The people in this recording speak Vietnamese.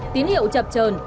tín hiệu chập trờn